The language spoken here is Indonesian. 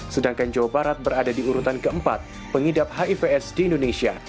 sedangkan jawa barat berada di urutan keempat pengidap hivs di indonesia